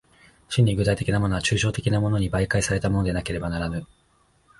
真に具体的なものは抽象的なものに媒介されたものでなければならぬ。